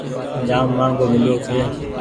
جآم مآنگهو ميليو ڇي۔